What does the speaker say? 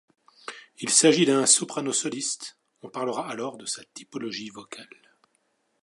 S'il s'agit d'un soprano soliste, on parlera alors de sa typologie vocale.